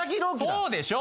そうでしょ。